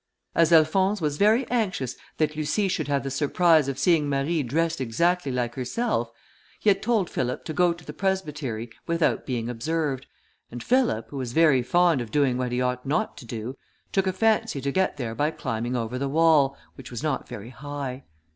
As Alphonse was very anxious that Lucie should have the surprise of seeing Marie dressed exactly like herself, he had told Philip to go to the presbytery without being observed, and Philip, who was very fond of doing what he ought not to do, took a fancy to get there by climbing over the wall, which was not very high.